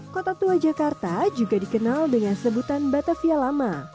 kota tua jakarta juga dikenal dengan sebutan batavia lama